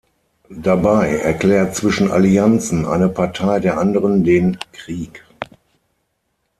Dabei erklärt zwischen Allianzen eine Partei der Anderen den Krieg.